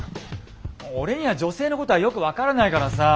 俺には女性のことはよく分からないからさあ